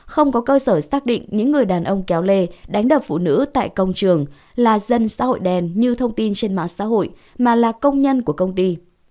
không có cơ sở xác định những người đàn ông kéo lê đánh đập phụ nữ tại công trường là dân xã hội đen như thông tin trên mạng xã hội mà là công nhân của công ty